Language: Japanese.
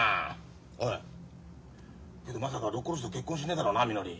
おいけどまさか六甲おろしと結婚しねえだろうなみのり。